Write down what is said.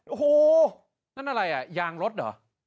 โอ้โหนั่นอะไรอ่ะยางรถเหรอ